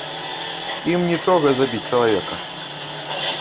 Ім нічога забіць чалавека!